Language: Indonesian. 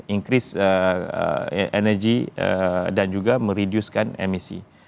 increase energy dan juga merediuskan emisi